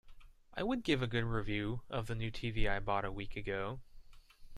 I would give a good review of the new TV I bought a week ago.